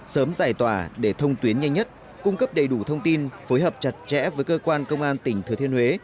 sớm giải tỏa để thông tuyến nhanh nhất cung cấp đầy đủ thông tin phối hợp chặt chẽ với cơ quan công an tỉnh thừa thiên huế